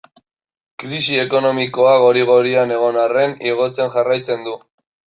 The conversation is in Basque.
Krisi ekonomikoa gori-gorian egon arren igotzen jarraitzen du.